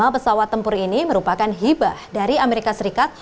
lima pesawat tempur ini merupakan hibah dari amerika serikat